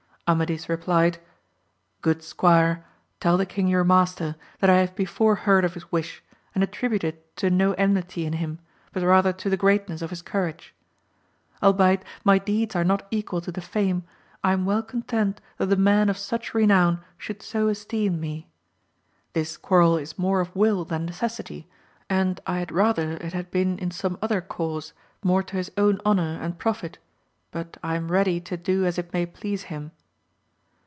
Amadis re plied, Good squire, tell the kmg your master, that I have before heard of his wish, and attribute it to no enmity in him, but rather to the greatness of his courage. Albeit, my deeds are not equal to the fame, I am well content that a man of such renown should so esteem me. This quarrel is more of wiQ than necessity, and I had rather it had been in some other cause, more to his own honour and profit, but I am ready to do as it may please him.